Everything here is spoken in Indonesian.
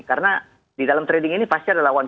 karena di dalam trading ini pasti ada lawan